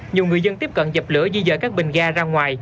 nhiều người dân tiếp cận dập lửa di dời các bình ga ra ngoài